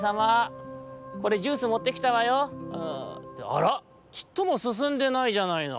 あらちっともすすんでないじゃないの。